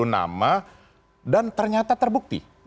sepuluh nama dan ternyata terbukti